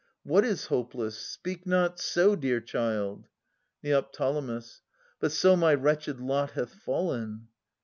What is hopeless ? Speak not so, Dear child ! Neo. But so my wretched lot hath fallen.